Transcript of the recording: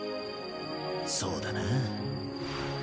そうだな。